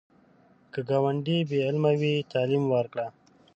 که ګاونډی بې علمه وي، تعلیم ورکړه